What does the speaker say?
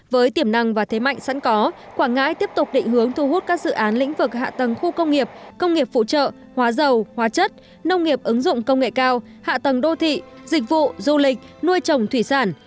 với tiềm năng và thế mạnh sẵn có quảng ngãi tiếp tục định hướng thu hút các dự án lĩnh vực hạ tầng khu công nghiệp công nghiệp phụ trợ hóa dầu hóa chất nông nghiệp ứng dụng công nghệ cao hạ tầng đô thị dịch vụ du lịch nuôi trồng thủy sản